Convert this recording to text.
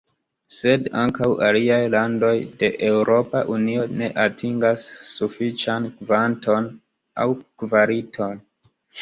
Sed ankaŭ aliaj landoj de Eŭropa Unio ne atingas sufiĉan kvanton aŭ kvaliton.